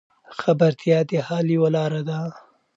خبرتیا د حل یوه لار ده.